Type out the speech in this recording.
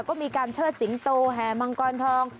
ก็มีการเชิดสิงโตแห่งังกรทอง